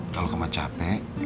kalau kamu capek